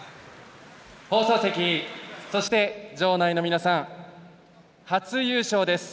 放送席、そして場内の皆さん初優勝です。